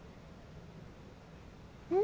うん？